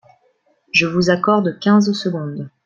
Je vous accorde quinze secondes.